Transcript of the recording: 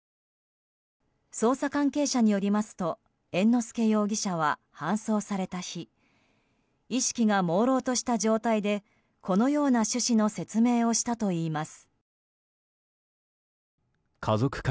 捜査関係者によりますと猿之助容疑者は、搬送された日意識がもうろうとした状態でこのような趣旨の説明をしたといいます。